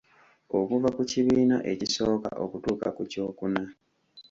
Okuva ku kibiina ekisooka okutuuka ku kyokuna.